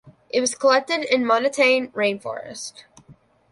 It was collected in montane rainforest.